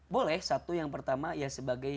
boleh satu yang pertama ya sebagai